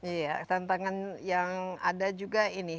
iya tantangan yang ada juga ini